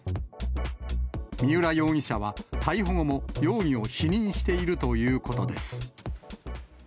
三浦容疑者は逮捕後も、容疑を否認しているということです。